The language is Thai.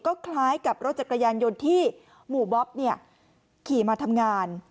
ก็คล้ายกับรถจักรยานยนต์ที่หมู่บ๊อบขี่มาทำงาน